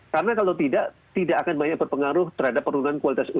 karena kalau tidak tidak akan banyak berpengaruh terhadap perundangan kualitas hidup